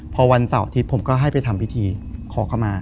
พอวันเสาร์อาทิตย์ผมก็ให้ไปทำพิธีขอเข้ามา